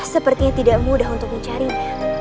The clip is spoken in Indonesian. sepertinya tidak mudah untuk mencarinya